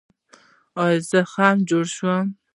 ایا زما زخم به جوړ شي؟